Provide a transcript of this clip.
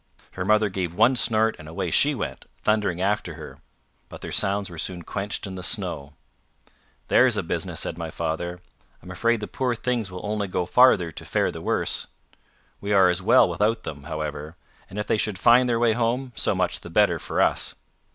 Her mother gave one snort, and away she went, thundering after her. But their sounds were soon quenched in the snow. "There's a business!" said my father. "I'm afraid the poor things will only go farther to fare the worse. We are as well without them, however; and if they should find their way home, so much the better for us.